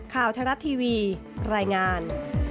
ข่าวทางรัฐทีวีรายงาน